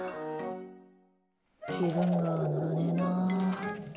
気分が乗らねえなあ。